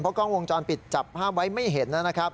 เพราะกล้องวงจรปิดจับห้ามไว้ไม่เห็น